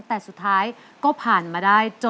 แต่สุดท้ายก็ผ่านมาได้